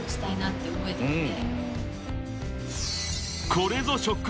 ［これぞ］